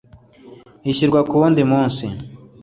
ishyirwa ku wundi munsi